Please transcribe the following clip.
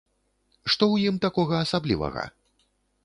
Што ў ім такога асаблівага?